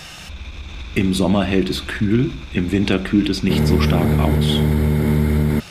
Im Sommer hält es kühl, im Winter kühlt es nicht so stark aus.